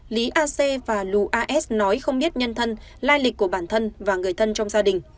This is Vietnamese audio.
lý a c và lù as nói không biết nhân thân lai lịch của bản thân và người thân trong gia đình